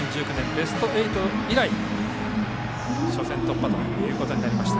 ベスト８以来初戦突破となりました。